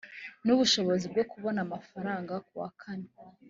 n ubushobozi bwo kubona amafaranga kuwakane